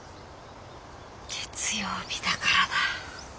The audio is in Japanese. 月曜日だからだ。